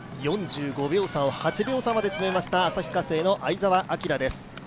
４５秒差を８秒差まで詰めました旭化成の相澤晃です。